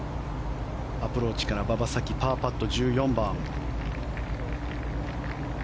アプローチから馬場咲希パーパット、１４番。